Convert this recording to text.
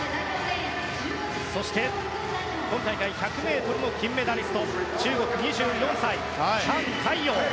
そして今大会１００ｍの金メダリスト中国２４歳、タン・カイヨウ。